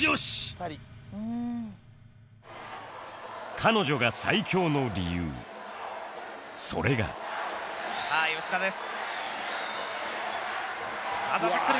彼女が最強の理由それがさあ吉田です。